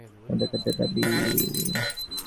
এটা বেকারদের দীর্ঘদিনেরপ্রাণের দাবি।